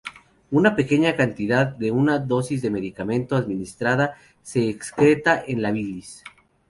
Una pequeña cantidad de una dosis de medicamento administrada se excreta en la bilis.